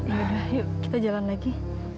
yaudah yuk kita jalan lagi